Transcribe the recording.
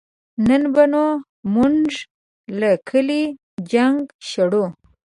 نن به نو مونږ له کلي جنګ شړو